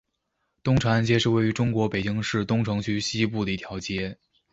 东长安街是位于中国北京市东城区西部的一条街。